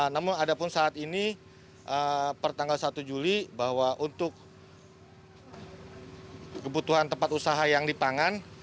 namun ada pun saat ini pertanggal satu juli bahwa untuk kebutuhan tempat usaha yang dipangan